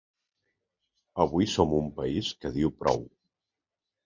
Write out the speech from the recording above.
Avui som un país que diu prou.